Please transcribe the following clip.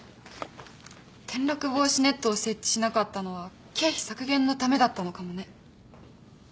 転落防止ネットを設置しなかったのは経費削減のためだったのかもね。